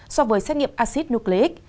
so với xét nghiệm acid nucleic